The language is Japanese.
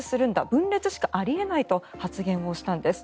分裂しかあり得ないと発言をしたんです。